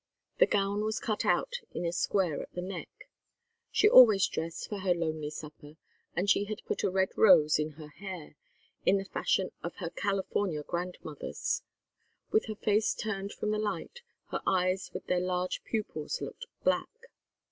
The gown was cut out in a square at the neck; she always dressed for her lonely supper, and she had put a red rose in her hair, in the fashion of her California grandmothers. With her face turned from the light, her eyes with their large pupils looked black.